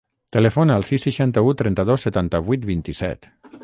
Telefona al sis, seixanta-u, trenta-dos, setanta-vuit, vint-i-set.